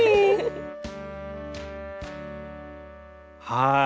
はい。